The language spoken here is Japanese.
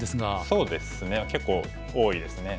そうですね結構多いですね。